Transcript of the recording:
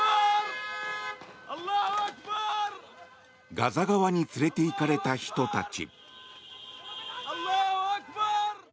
ガザ側に連れていかれた人たち。